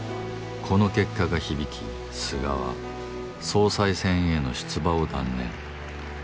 この結果が響き菅は総裁選への出馬を断念。